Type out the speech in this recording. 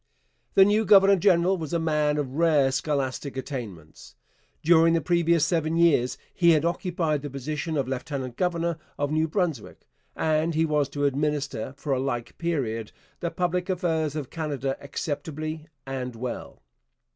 The new governor general was a man of rare scholastic attainments. During the previous seven years he had occupied the position of lieutenant governor of New Brunswick, and he was to administer, for a like period, the public affairs of Canada acceptably and well.